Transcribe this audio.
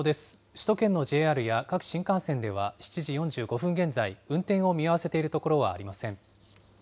首都圏のＪＲや各新幹線では７時４５分現在、運転を見合わせているところはありません。